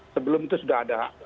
sebelum itu sudah ada